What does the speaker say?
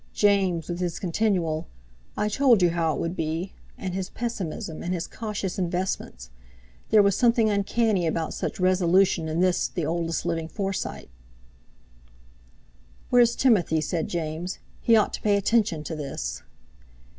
James with his continual, "I told you how it would be!" and his pessimism, and his cautious investments. There was something uncanny about such resolution in this the oldest living Forsyte. "Where's Timothy?" said James. "He ought to pay attention to this."